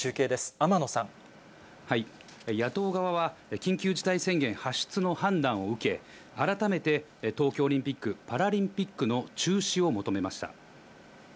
野党側は、緊急事態宣言発出の判断を受け、改めて東京オリンピック・パラリンピックの中止を求めました。